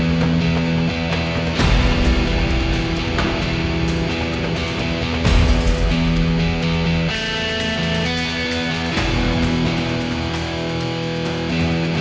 kau udah ngerti